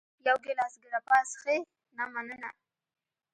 یو ګېلاس ګراپا څښې؟ نه، مننه.